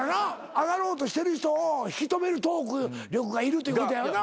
上がろうとしてる人を引き留めるトーク力がいるということやよな。